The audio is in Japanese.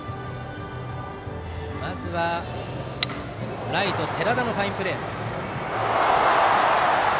まず、ライトの寺田のファインプレー。